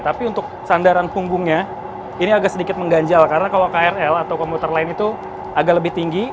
tapi untuk sandaran punggungnya ini agak sedikit mengganjal karena kalau krl atau komuter lain itu agak lebih tinggi